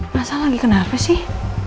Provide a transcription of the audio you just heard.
masa lagi kenapa sih